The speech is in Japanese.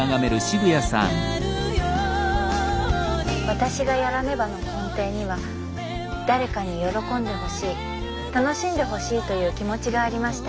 「私がやらねば」の根底には誰かに喜んでほしい楽しんでほしいという気持ちがありました。